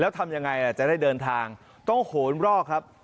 แล้วทำยังไงจะได้เดินทางต้องโหนรอกครับ